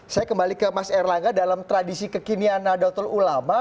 saya kembali ke mas erlaga dalam tradisi kekinianan doktul ulama